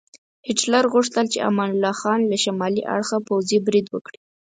هیټلر غوښتل چې امان الله خان له شمالي اړخه پوځي برید وکړي.